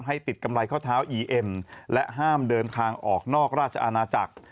ให้ติดกำไรข้อเท้าอีเอ็มและห้ามเดินทางออกนอกราชอาณาจักร